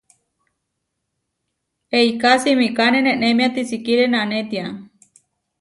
Eiká simikáne nenémia tisikíre nanétia.